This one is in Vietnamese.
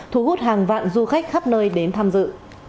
thu hút hàng vạn du khách khắp nơi đến tham dự